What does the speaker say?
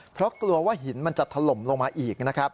เพราะกลัวว่าหินมันจะถล่มลงมาอีกนะครับ